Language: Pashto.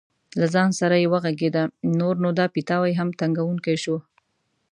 له ځان سره یې وغږېده: نور نو دا پیتاوی هم تنګوونکی شو.